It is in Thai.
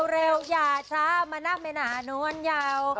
เร็วอย่าช้ามัน๊แมน่าหนวนยาว